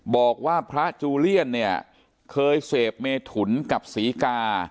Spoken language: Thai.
บอกว่าพระจูเลียนเนี่ยเคยเสพเมถุนกับศรีกา